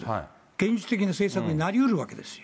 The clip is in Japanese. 現実的な政策になりうるわけですよ。